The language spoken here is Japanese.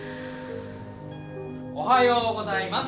おはようございます。